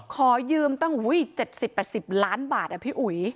ขอยืมตั้ง๗๐๘๐ล้านบาทพี่อุ๋ย